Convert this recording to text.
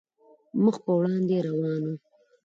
مخ په وړاندې روان وو.